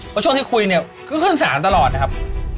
เพราะช่วงที่คุยเนี่ยก็ขึ้นศาลตลอดนะครับ